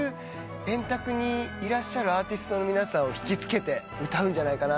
円卓にいらっしゃるアーティストの皆さんを引き付けて歌うんじゃないかと。